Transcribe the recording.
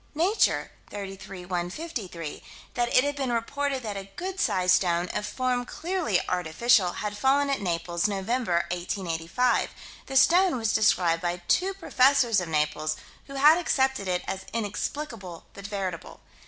Nature, 33 153: That it had been reported that a good sized stone, of form clearly artificial, had fallen at Naples, November, 1885. The stone was described by two professors of Naples, who had accepted it as inexplicable but veritable.